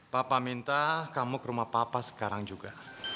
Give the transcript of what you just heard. papa minta kamu ke rumah papa sekarang juga